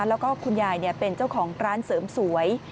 แล้วก็คุณยายเป็นเจ้าของร้านเสริมสวย